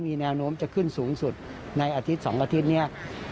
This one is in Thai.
มีแนวโน้มจะขึ้นสูงสุดในอาทิตย์๒อาทิตย์นี้